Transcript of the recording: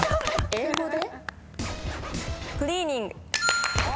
英語で？